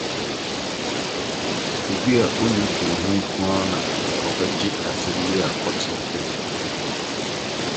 Obi a onni suahu nko na obegye asɛm biara a ɔte adi.